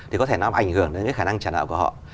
thì có thể làm ảnh hưởng đến khả năng trả nợ của họ